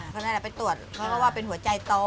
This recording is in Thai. เขาให้เราไปตรวจเขาก็ว่าเป็นหัวใจโต